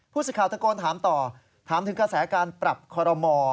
ผู้สื่อข่าวตะโกนถามต่อถามถึงกระแสการปรับคอโรมอล์